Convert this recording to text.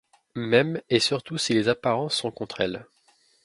Même et surtout si les apparences sont contre elle.